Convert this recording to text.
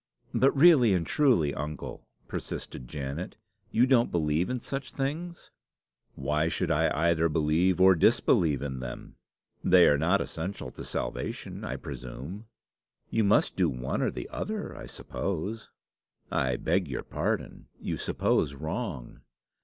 "But, really and truly, uncle," persisted Janet, "you don't believe in such things?" "Why should I either believe or disbelieve in them? They are not essential to salvation, I presume." "You must do the one or the other, I suppose." "I beg your pardon. You suppose wrong.